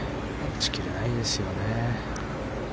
打ち切れないですよね。